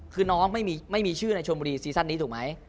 คือน้องไม่มีชื่อในชนบุรีซีซั่นนี้ถูกไหม